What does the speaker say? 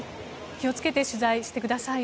気をつけて取材してください。